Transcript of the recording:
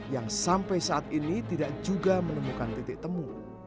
yang sampai saat ini tidak juga menemukan titik temu